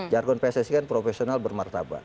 jargon pssi kan profesional bermartabat